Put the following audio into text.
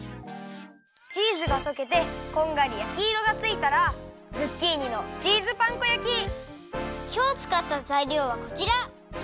チーズがとけてこんがり焼きいろがついたらきょうつかったざいりょうはこちら。